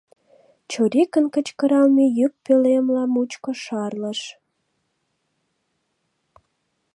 — чорикын кычкыралме йӱк пӧлемла мучко шарлыш.